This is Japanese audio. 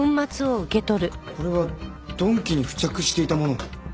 これは鈍器に付着していたもの。